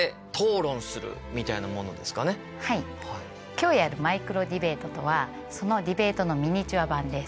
今日やるマイクロディベートとはそのディベートのミニチュア版です。